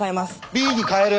Ｂに変える！